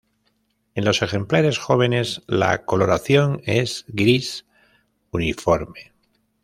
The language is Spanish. En los ejemplares jóvenes la coloración es gris uniforme.